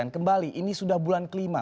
kembali ini sudah bulan kelima